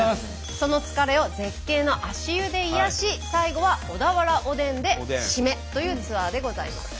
その疲れを絶景の足湯で癒やし最後は小田原おでんで締めというツアーでございます。